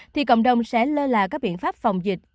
thì cộng đồng sẽ lơ là các biện pháp phòng dịch